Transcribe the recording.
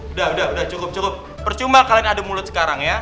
udah udah cukup cukup percuma kalian ada mulut sekarang ya